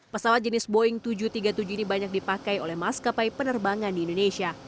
pesawat jenis boeing tujuh ratus tiga puluh tujuh ini banyak dipakai oleh maskapai penerbangan di indonesia